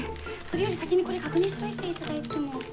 それより先にこれ確認しておいていただいても？